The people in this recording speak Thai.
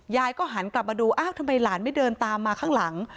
ยายก็หันกลับมาดูอ้าวทำไมหลานไม่เดินตามมาข้างหลัง